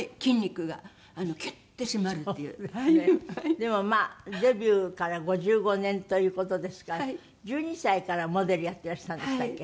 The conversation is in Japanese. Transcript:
でもまあデビューから５５年という事ですから１２歳からモデルやっていらしたんでしたっけ？